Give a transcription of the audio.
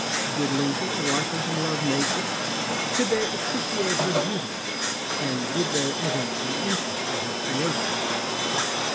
Did Lincoln and Washington love nature? Could they appreciate her beauties, and did they evince an interest in her creations?